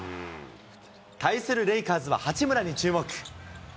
対するレイカーズは八村に注目。